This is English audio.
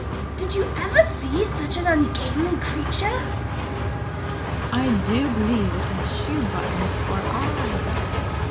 "Did you ever see such an ungainly creature!" "I do believe it has shoe buttons for eyes!"